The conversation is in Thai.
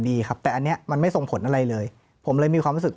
ดีครับแต่อันนี้มันไม่ส่งผลอะไรเลยผมเลยมีความรู้สึก